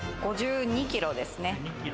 ５２キロですね。